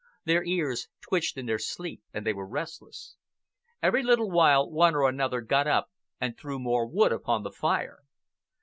Their ears twitched in their sleep, and they were restless. Every little while one or another got up and threw more wood upon the fire.